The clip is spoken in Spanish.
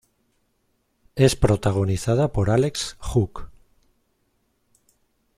Es protagonizada por Alex Hook.